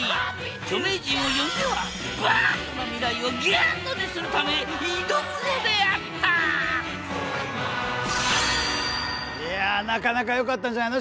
著名人を呼んではＢａｄな未来をＧｏｏｄにするため挑むのであったいやなかなかよかったんじゃないの？